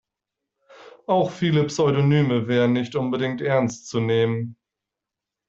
Auch viele Pseudonyme wären nicht unbedingt ernst zu nehmen.